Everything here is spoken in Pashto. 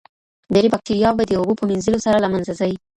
ډېرې باکتریاوې د اوبو په مینځلو سره له منځه ځي.